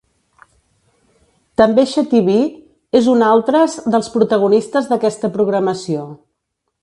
També xativí és un altres dels protagonistes d’aquesta programació.